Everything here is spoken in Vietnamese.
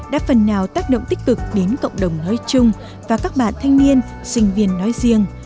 đã phần nào tác động tích cực đến cộng đồng nói chung và các bạn thanh niên sinh viên nói riêng